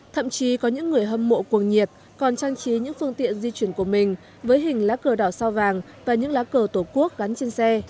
thậm chí có những người hâm mộ cuồng nhiệt còn trang trí những phương tiện di chuyển của mình với hình lá cờ đỏ sao vàng và những lá cờ tổ quốc gắn trên xe